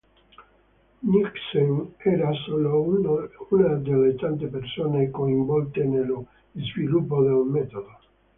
Nijssen era solo una delle tante persone coinvolte nello sviluppo del metodo.